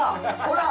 ほら！